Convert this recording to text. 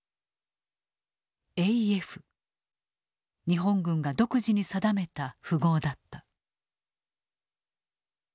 日本軍が独自に定めた符号だった。